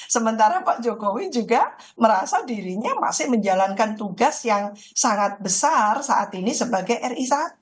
sementara pak jokowi juga merasa dirinya masih menjalankan tugas yang sangat besar saat ini sebagai ri satu